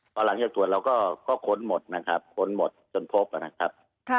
พอหลังจากตรวจเราก็ค้นหมดนะครับค้นหมดจนพบนะครับ